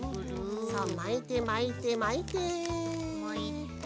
まいてまいてまいて。